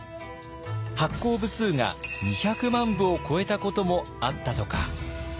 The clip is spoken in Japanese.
発行部数が２００万部を超えたこともあったとか。